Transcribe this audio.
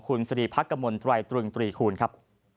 คุณสรีภักษ์กระมวลไตรุงตรีคูณครับ